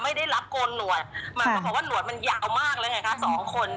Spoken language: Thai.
หมายความว่าหนวดมันยาวมากเลยค่ะสองคน